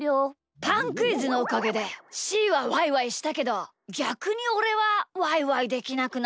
パンクイズのおかげでしーはワイワイしたけどぎゃくにおれはワイワイできなくなっちゃいました！